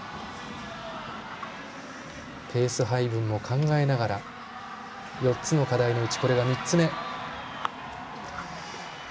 ペース配分も考えながら４つの課題のうち、これが３つ目。